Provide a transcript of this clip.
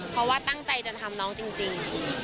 เพราะว่าตั้งใจจะทำน้องจริง